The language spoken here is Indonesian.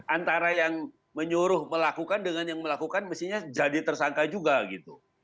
antara yang menyuruh melakukan dengan yang melakukan mestinya jadi tersangka juga gitu